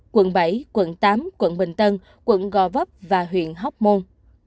quận bảy quận tám quận bình tân quận gò vấp và huyện hóc môn